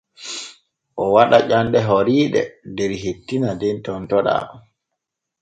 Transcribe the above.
O waɗa ƴanɗe horiiɗe der hettina den tontoɗaa.